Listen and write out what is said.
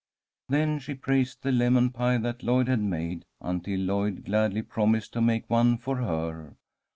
Then she praised the lemon pie that Lloyd had made, until Lloyd gladly promised to make one for her.